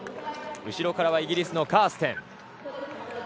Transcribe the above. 後ろからはイギリスのカーステン。